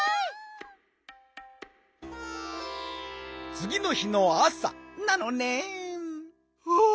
つぎの日のあさなのねん。